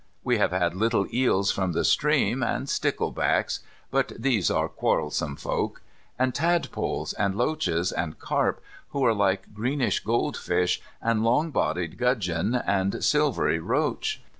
We have had little eels from the stream, and sticklebacks (but these are quarrelsome folk), and tadpoles, and loaches, and carp, who are like greenish goldfish, and long bodied gudgeon, and silvery roach.